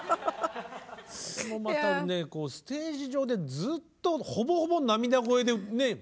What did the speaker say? またねステージ上でずっとほぼほぼ涙声でね。